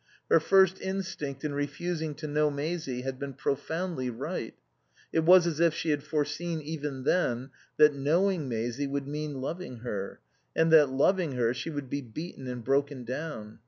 Her first instinct in refusing to know Maisie had been profoundly right. It was as if she had foreseen, even then, that knowing Maisie would mean loving her, and that, loving her, she would be beaten and broken down.